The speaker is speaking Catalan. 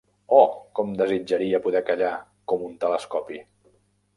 Oh, com desitjaria poder callar com un telescopi!